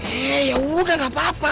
eh yaudah gak apa apa